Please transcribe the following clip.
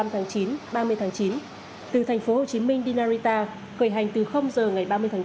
hai mươi năm tháng chín ba mươi tháng chín từ thành phố hồ chí minh đi narita khởi hành từ h ngày ba mươi tháng chín